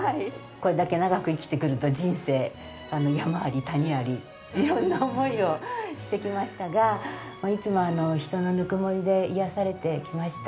これだけ長く生きてくると人生山あり谷あり色んな思いをしてきましたがいつも人のぬくもりで癒やされてきました。